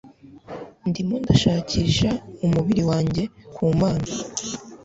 ndimo ndashakisha umubiri wanjyeku mana